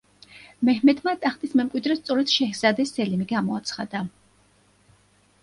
მეჰმედმა ტახტის მემკვიდრედ სწორედ შეჰზადე სელიმი გამოაცხადა.